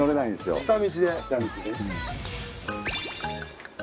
下道でね。